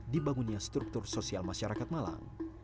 dibangunnya struktur sosial masyarakat malang